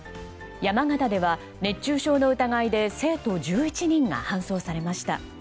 山形では熱中症の疑いで生徒１１人が搬送されました。